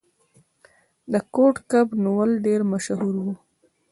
د کوډ کب نیول ډیر مشهور و.